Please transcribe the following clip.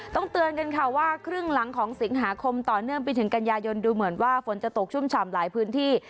เตือนกันค่ะว่าครึ่งหลังของสิงหาคมต่อเนื่องไปถึงกันยายนดูเหมือนว่าฝนจะตกชุ่มฉ่ำหลายพื้นที่